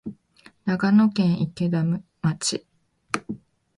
長野県池田町